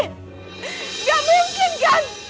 tidak mungkin kan